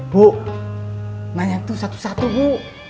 bu nanya tuh satu satu bu